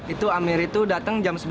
itu amir itu datang jam sebelas